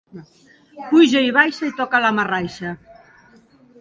Puja i baixa i toca la marraixa.